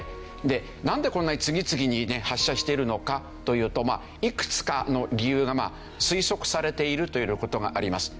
なんでこんなに次々にね発射しているのかというといくつかの理由が推測されているという事があります。